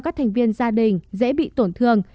các thành viên gia đình dễ bị tổn thương